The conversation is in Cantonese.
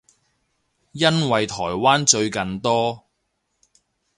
因為台灣最近多